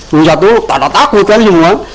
luncat dulu takut takut kan semua